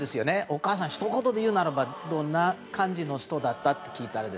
お母さんひと言で言うならどんな感じの人だった？と。